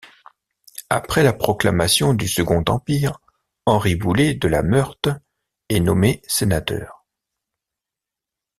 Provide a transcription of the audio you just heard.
Après la proclamation du Second Empire, Henri Boulay de La Meurthe est nommé sénateur.